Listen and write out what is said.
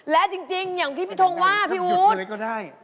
และจริงอย่างที่พี่ทงว่าพี่อู๋อะไรก็ได้